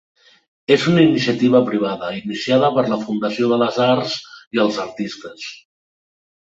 És una iniciativa privada, iniciada per la Fundació de les Arts i els Artistes.